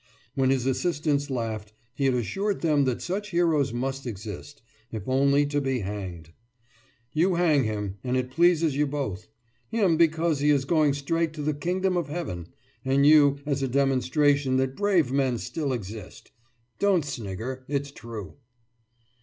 When his assistants laughed, he had assured them that such heroes must exist, if only to be hanged. »You hang him and it pleases you both: him because he is going straight to the Kingdom of Heaven, and you as a demonstration that brave men still exist. Don't snigger it's true.